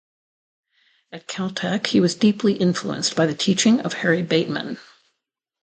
At Caltech he was deeply influenced by the teaching of Harry Bateman.